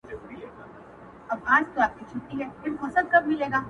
پاس د مځکي پر سر پورته عدالت دئ،